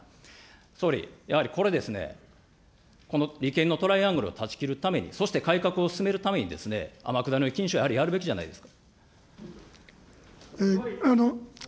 総理、やはりこれですね、この利権のトライアングルを断ち切るために、そして改革を進めるために天下りの禁止はやはりやるべきじゃないですか。